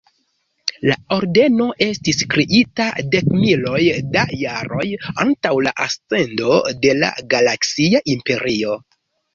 La ordeno estis kreita dekmiloj da jaroj antaŭ la ascendo de la Galaksia Imperio.